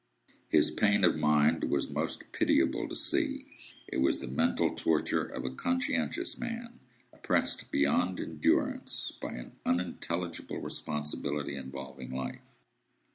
His pain of mind was most pitiable to see. It was the mental torture of a conscientious man, oppressed beyond endurance by an unintelligible responsibility involving life.